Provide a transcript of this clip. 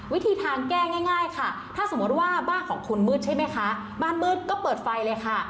วิธีทางแก้ง่ายค่ะถ้าสมมุติว่าบ้านของคุณมืดใช่ไหมคะบ้านมืดก็เปิดไฟเลยค่ะ